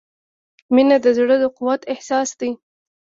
• مینه د زړۀ د قوت احساس دی.